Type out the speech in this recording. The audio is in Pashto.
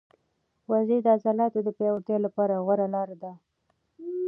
ورزش د عضلاتو د پیاوړتیا لپاره غوره لاره ده.